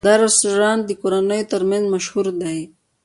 دا رستورانت د کورنیو تر منځ مشهور دی.